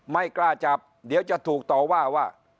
ไม่กล้าจับเดี๋ยวจะถูกต่อว่าว่า